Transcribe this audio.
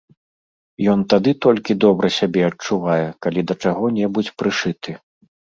Ён тады толькі добра сябе адчувае, калі да чаго-небудзь прышыты.